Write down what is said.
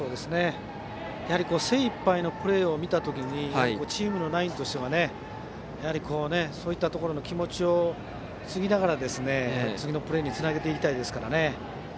やはり精いっぱいのプレーを見たときチームのナインとしてはそういったところの気持ちをくみながら次のプレーにつなげていきたいですからね。